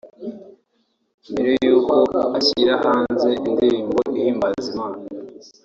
Mbere y’uko ashyira hanze indirimbo ihimbaza Imana